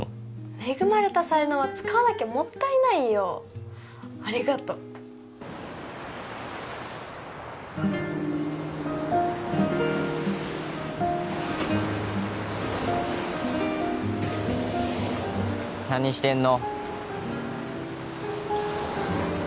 恵まれた才能は使わなきゃもったいないよありがとう何してんの？